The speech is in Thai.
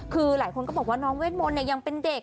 คือหลายคนก็บอกว่าน้องเวทมนต์ยังเป็นเด็ก